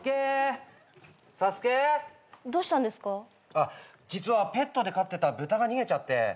あっ実はペットで飼ってた豚が逃げちゃって。